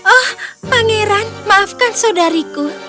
oh pangeran maafkan saudariku